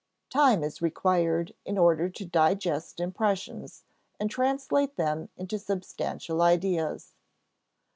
Time is required in order to digest impressions, and translate them into substantial ideas.